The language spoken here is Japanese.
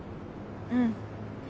うん。